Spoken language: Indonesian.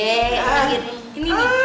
enak banget nih ian ya